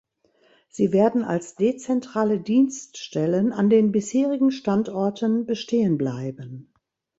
Sie werden als dezentrale Dienststellen an den bisherigen Standorten bestehen bleiben.